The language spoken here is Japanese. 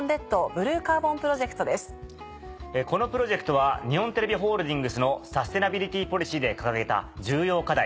このプロジェクトは日本テレビホールディングスのサステナビリティポリシーで掲げた重要課題